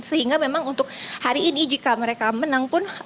sehingga memang untuk hari ini jika mereka menang pun